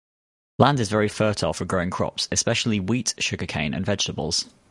Land is very fertile for growing crops, especially wheat, sugarcane and vegetables.